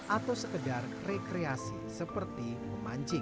atau sekedar rekreasi seperti memancing